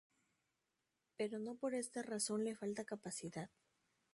Pero no por esta razón le falta capacidad.